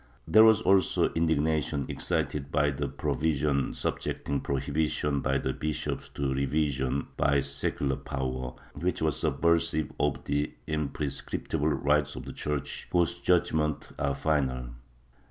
There was also indignation excited by the provision subjecting prohibi tion by the bishops to revision by the secular power, which was subversive of the imprescriptible rights of the Church, whose judgements are final.